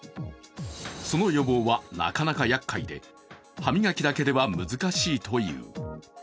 その予防はなかなかやっかいで、歯磨きだけでは難しいという。